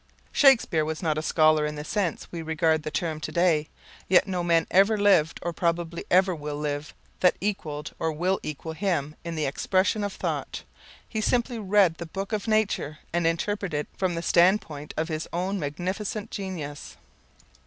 Shakespeare was not a scholar in the sense we regard the term to day, yet no man ever lived or probably ever will live that equalled or will equal him in the expression of thought. He simply read the book of nature and interpreted it from the standpoint of his own magnificent genius.